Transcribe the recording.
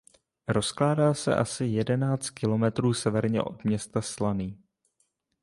Rozkládá se asi jedenáct kilometrů severně od města Slaný.